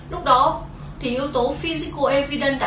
lúc đó thì yếu tố physical evidence đã hiện hữu